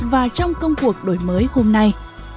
và trong công cuộc đổi mới hôm nay